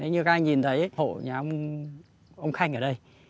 như các anh nhìn thấy hộ nhà ông khanh ở đây